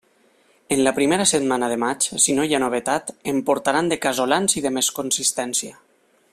En la primera setmana de maig, si no hi ha novetat, en portaran de casolans i de més consistència.